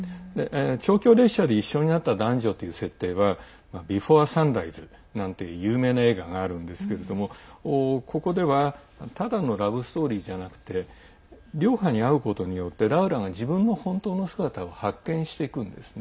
長距離列車で一緒になった男女という設定は「ビフォア・サンライズ」なんていう有名な映画があるんですけれどもここではただのラブストーリーじゃなくてリョーハに会うことによってラウラが自分の本当の姿を発見していくんですね。